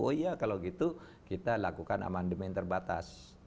oh iya kalau gitu kita lakukan amandemen terbatas